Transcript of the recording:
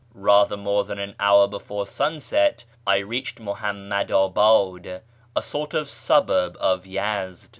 Eather more than an hour before sunset I reached Muhammadabad, a sort of suburb of Yezd.